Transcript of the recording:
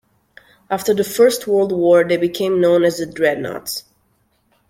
After the First World War, they became known as "the Dreadnoughts".